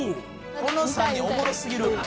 この３人おもろすぎる。